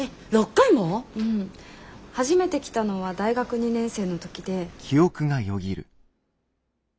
初めて来たのは大学２年生の時で。